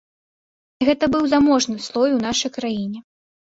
Гэта быў заможны слой у нашай краіне.